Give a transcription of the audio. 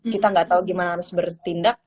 kita nggak tahu gimana harus bertindak